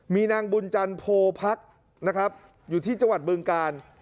มีนางบุญจันทร์โพพักนะครับอยู่ที่จังหวัดบึงกาล